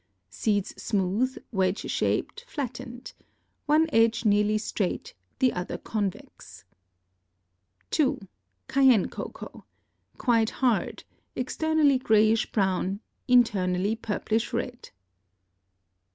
—Seeds smooth, wedge shaped, flattened. One edge nearly straight, the other convex. 2. Cayenne Cocoa.—Quite hard, externally grayish brown, internally purplish red.